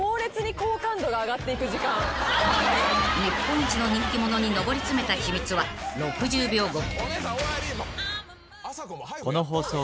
［日本一の人気者に上り詰めた秘密は６０秒後］